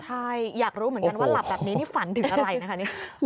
ใช่อยากรู้เหมือนกันว่าหลับแบบนี้นี่ฝันถึงอะไรนะคะนี่